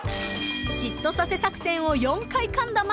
［「嫉妬させ作戦」を４回かんだ真木さん］